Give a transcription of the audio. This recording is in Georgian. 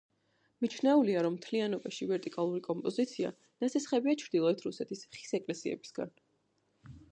მიჩნეულია, რომ მთლიანობაში ვერტიკალური კომპოზიცია, ნასესხებია ჩრდილოეთ რუსეთის ხის ეკლესიებისგან.